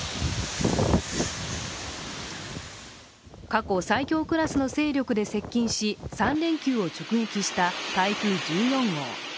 過去最強クラスの勢力で接近し３連休を直撃した台風１４号。